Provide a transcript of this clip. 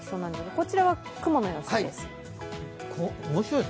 こちらは雲の様子です。